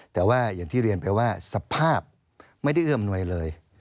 แต่ว่าอย่างที่เรียนไปว่าสภาพไม่ได้เอื้อมนวยเลย